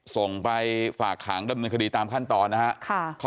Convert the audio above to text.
ส่งไปฝากขังดำเนินคดีตามขั้นตอนนะครับ